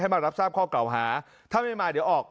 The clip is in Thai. มารับทราบข้อเก่าหาถ้าไม่มาเดี๋ยวออก